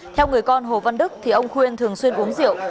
theo người con hồ văn đức thì ông khuyên thường xuyên uống rượu